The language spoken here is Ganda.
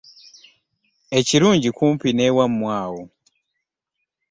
Ekirungi kumpi n'ewammwe awo.